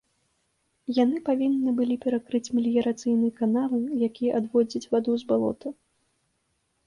Яны павінны былі перакрыць меліярацыйныя каналы, якія адводзяць ваду з балота.